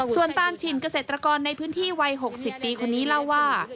ส่วนตานฉินเกษตรกรในพื้นที่วัย๖๐ปีคนนี้เล่าว่า